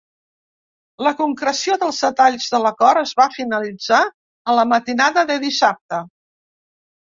La concreció dels detalls de l'acord es va finalitzar a la matinada de dissabte.